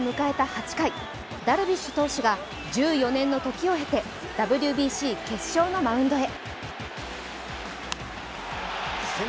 ８回ダルビッシュ投手は１４年の時を経てＷＢＣ決勝のマウンドへ。